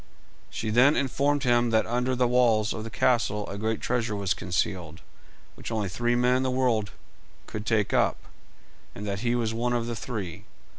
She then informed him that under the walls of the castle a great treasure was concealed, which only three men in the whole world could take up, and that he was one of the three.